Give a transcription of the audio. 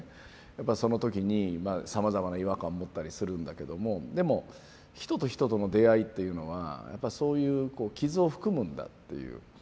やっぱりその時にさまざまな違和感持ったりするんだけどもでも人と人との出会いっていうのはやっぱそういう傷を含むんだっていう。